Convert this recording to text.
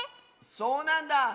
そうなんだあ。